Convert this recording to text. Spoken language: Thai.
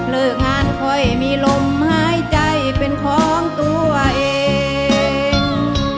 เลิกงานค่อยมีลมหายใจเป็นของตัวเอง